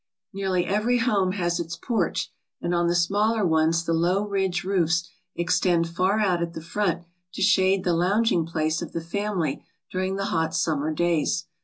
Nearly every home has its porch and on the smaller ones the low ridge roofs extend far out at the front to shade the lounging place of the family during the hot summer days.